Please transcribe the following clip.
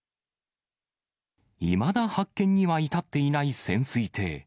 いまだ発見には至っていない潜水艇。